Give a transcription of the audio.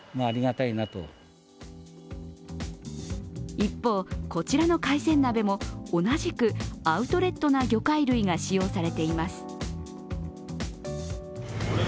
一方、こちらの海鮮鍋も同じくアウトレットな魚介類が使用されています。